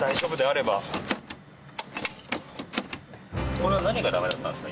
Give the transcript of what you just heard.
これは何がダメだったんですか？